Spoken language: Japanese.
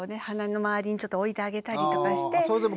鼻の周りにちょっと置いてあげたりとかして。